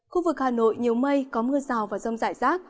khu vực hà nội nhiều mây có mưa rào và rông rải rác